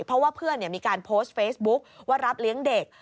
เพราะว่าเพื่อนมีการโพสต์เฟซบุ๊คว่ารับเลี้ยงเด็ก